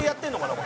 これ。